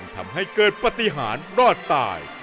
ทำให้เกิดปฏิหารรอดตาย